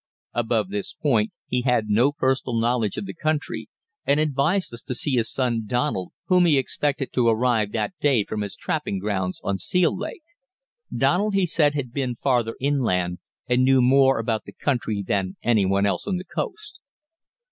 Above this point he had no personal knowledge of the country, and advised us to see his son Donald, whom he expected to arrive that day from his trapping grounds on Seal Lake. Donald, he said, had been farther inland and knew more about the country than anyone else on the coast.